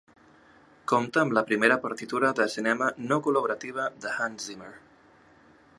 Compta amb la primera partitura de cinema no col·laborativa de Hans Zimmer.